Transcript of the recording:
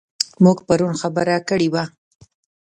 موږ پرون خبره کړې وه.